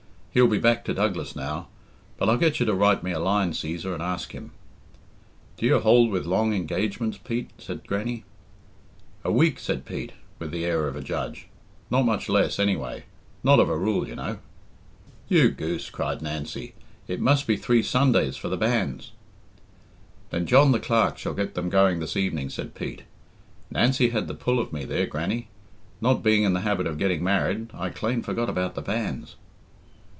"He'll be back to Douglas now, but I'll get you to write me a line, Cæsar, and ask him." "Do you hold with long engagements, Pete?" said Grannie. "A week," said Pete, with the air of a judge; "not much less anyway not of a rule, you know." "You goose," cried Nancy, "it must be three Sundays for the banns." "Then John the Clerk shall get them going this evening," said Pete. "Nancy had the pull of me there, Grannie. Not being in the habit of getting married, I clane forgot about the banns."